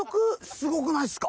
すごくないですか？